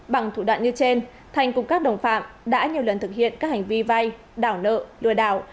bằng thủ đoạn như trên thành cùng các đồng phạm đã nhiều lần thực hiện các hành vi vay đảo nợ đạo